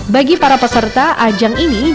bagi para peserta ajang ini juga berbeda